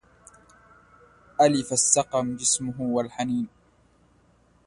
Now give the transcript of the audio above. ألف السقم جسمه والحنين